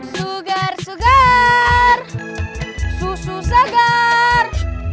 sugar sugar susu segar